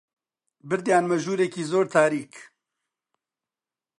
بردیانمە ژوورێکی زۆر تاریک